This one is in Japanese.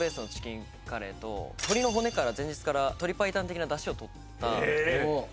鶏の骨から前日から鶏パイタン的なダシを取った。